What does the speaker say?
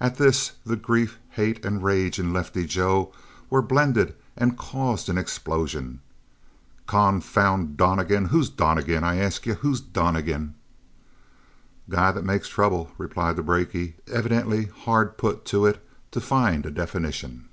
At this the grief, hate, and rage in Lefty Joe were blended and caused an explosion. "Confound Donnegan. Who's Donnegan? I ask you, who's Donnegan?" "A guy that makes trouble," replied the brakie, evidently hard put to it to find a definition.